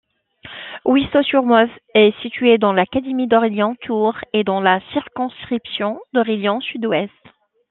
Huisseau-sur-Mauves est situé dans l'académie d'Orléans-Tours et dans la circonscription d'Orléans sud-ouest.